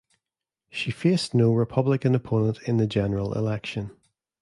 She faced no Republican opponent in the general election.